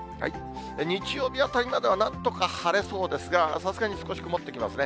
日曜日あたりまではなんとか晴れそうですが、さすがに少し曇ってきますね。